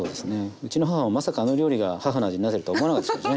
うちの母もまさかあの料理が母の味になってるとは思わなかったでしょうね。